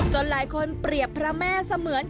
หลายคนเปรียบพระแม่เสมือน